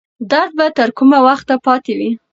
درد به تر کومه وخته پاتې وي؟